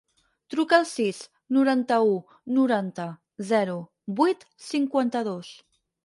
Truca al sis, noranta-u, noranta, zero, vuit, cinquanta-dos.